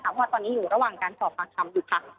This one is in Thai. เพราะว่าตอนนี้อยู่ระหว่างการสอบปากคำอยู่ค่ะ